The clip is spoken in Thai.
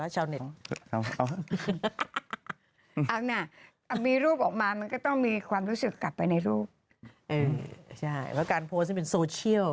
ช่ายเพราะการโพสต์เนี่ยเป็นโซเชียล